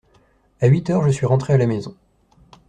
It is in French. À huit heures je suis rentré à la maison.